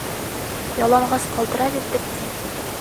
Яланғас ҡалдыра бит беҙҙе!